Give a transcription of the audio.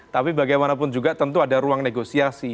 tapi bagaimanapun juga tentu ada ruang negosiasi